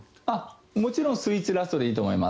もちろんスイーツラストでいいと思います。